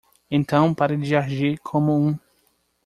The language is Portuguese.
Então pare de agir como um.